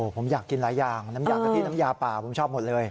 ผมอยากกินหลายอย่างน้ำยากะทิน้ำยาป่าผมชอบหมดเลย